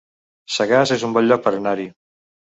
Sagàs es un bon lloc per anar-hi